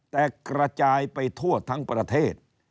แต่กระจายไปทั่วทั้งประเทศ